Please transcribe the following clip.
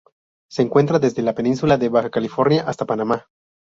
Se encuentra desde la Península de Baja California hasta Panamá.